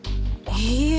いいえ